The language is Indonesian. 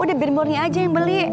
udah bin murni aja yang beli